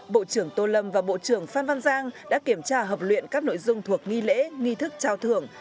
bộ trưởng tô lâm và bộ trưởng phan văn giang đã kiểm tra hợp luyện các nội dung thuộc nghi lễ nghi thức trao thưởng